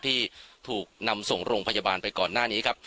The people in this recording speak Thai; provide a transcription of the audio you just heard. ที่ถูกนำส่งโรงพยาบาลไปก่อนหน้านี้ครับ